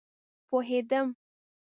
پوهيدم